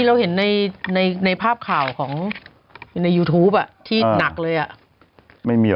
เราเห็นในภาพข่าวของในยูทูปที่หนักเลยอ่ะ